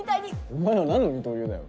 お前は何の二刀流だよ。